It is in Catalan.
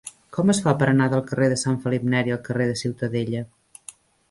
Com es fa per anar del carrer de Sant Felip Neri al carrer de Ciutadella?